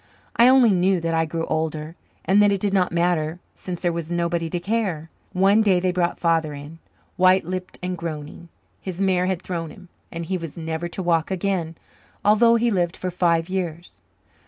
I only knew that I grew older and that it did not matter since there was nobody to care. One day they brought Father in, white lipped and groaning. His mare had thrown him, and he was never to walk again, although he lived for five years.